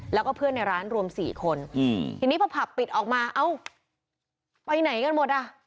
แล้วก็เพื่อนในร้านรวม๔คนทีนี้พอผับปิดออกมาเอ้าไปไหนกันหมดอ่ะ